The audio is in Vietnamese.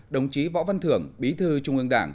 đồng chí võ văn thưởng bí thư trung ương đảng